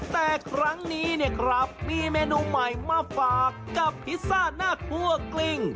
แต่ครั้งนี้เนี่ยครับมีเมนูใหม่มาฝากกับพิซซ่าหน้าคั่วกลิ้ง